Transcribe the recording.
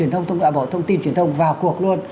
thông tin truyền thông vào cuộc luôn